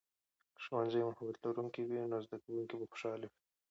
که ښوونځی محبت لرونکی وي، نو زده کوونکي به خوشاله وي.